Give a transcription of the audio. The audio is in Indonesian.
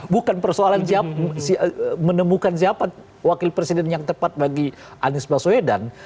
bukan persoalan menemukan siapa wakil presiden yang tepat bagi anies baswedan